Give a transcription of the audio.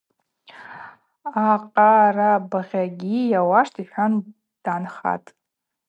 Акъарабгъагьи – Йауаштӏ, – йхӏван дгӏанхатӏ.